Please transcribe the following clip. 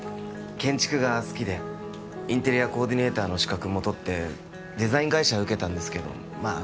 建築が好きでインテリアコーディネーターの資格も取ってデザイン会社受けたんですけどまあ